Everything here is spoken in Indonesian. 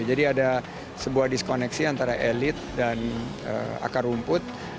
ada sebuah diskoneksi antara elit dan akar rumput